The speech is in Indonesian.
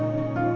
ada rufie ga apa